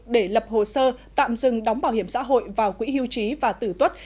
để lập hồ sơ tạm dừng đóng bảo hiểm xã hội vào quỹ hưu trí và tử tuất